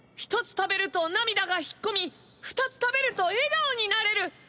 １つ食べると涙が引っ込み２つ食べると笑顔になれる。